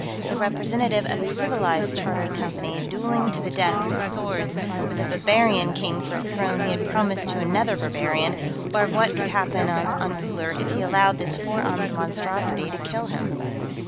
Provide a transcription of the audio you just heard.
the representative of a civilized Chartered Company, dueling to the death with swords with a barbarian king for a throne he had promised to another barbarian, or of what could happen on Uller if he allowed this four armed monstrosity to kill him.